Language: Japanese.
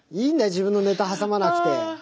自分のネタ挟まなくて。